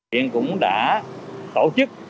huyện cũng đã tổ chức